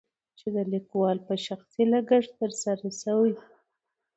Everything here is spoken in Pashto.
چې دليکوال په شخصي لګښت تر سره شوي.